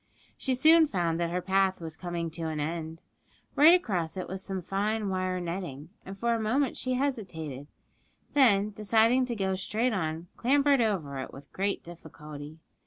She soon found that her path was coming to an end; right across it was some fine wire netting, and for a moment she hesitated, then, deciding to go straight on, clambered over it with great difficulty.